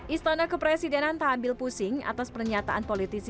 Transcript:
istana kepresidenan tak ambil pusing atas pernyataan politisi